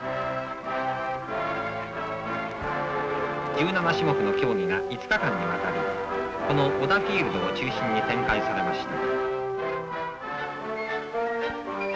「１７種目の競技が５日間にわたりこの織田フィールドを中心に展開されました」。